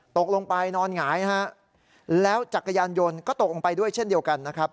ตกลงไปนอนหงายฮะแล้วจักรยานยนต์ก็ตกลงไปด้วยเช่นเดียวกันนะครับ